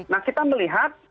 nah kita melihat